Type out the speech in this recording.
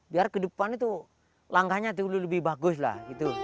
biar ke depan itu langkahnya itu lebih bagus lah gitu